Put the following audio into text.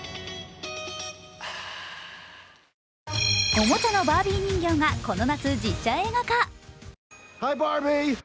おもちゃのバービー人形がこの夏、実写映画化。